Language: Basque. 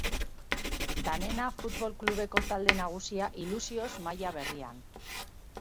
Danena futbol klubeko talde nagusia "ilusioz" maila berrian